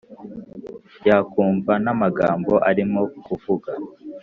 yakumva namagambo arimo kuvuga